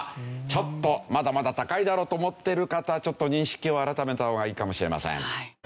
ちょっとまだまだ高いだろうと思っている方はちょっと認識を改めた方がいいかもしれません。